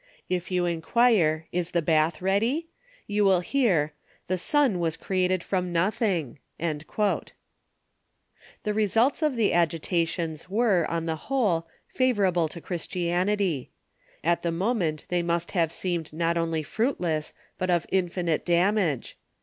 If you inquire, 'Is the bath ready?' you will hear, 'The Son was created from noth ing.' " The results of the agitations were, on the whole, favorable to Christianity. At the moment they must have seemed not only fruitless, but of infinite damage.